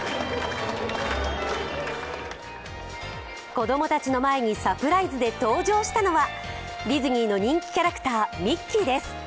子供たちの前にサプライズで登場したのはディズニーの人気キャラクターミッキーです。